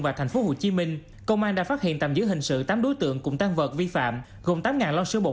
và tp hồ chí minh công an đã phát hiện tạm giữ hình sự tám đối tượng cùng tan vật vi phạm gồm tám lon sữa bột